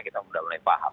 kita sudah mulai paham